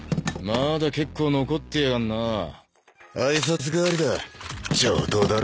まだ結構残ってやがんなァ挨拶がわりだ